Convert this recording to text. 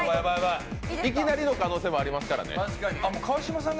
いきなりの可能性もあるからね。